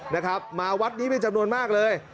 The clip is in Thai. นะครับมาวัดนี้เป็นจำนวนมากเลย